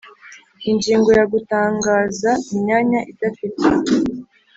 Ingingo ya Gutangaza imyanya idafite